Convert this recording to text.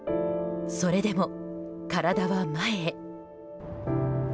それでも、体は前へ。